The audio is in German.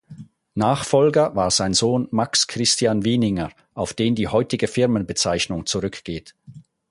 Nachfolger war sein Sohn Max Christian Wieninger, auf den die heutige Firmenbezeichnung zurückgeht.